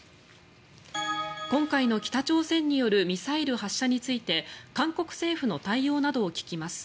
今回の北朝鮮によるミサイル発射について韓国政府の対応などを聞きます。